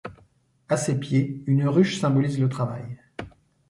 À ses pied, une ruche symbolise le travail.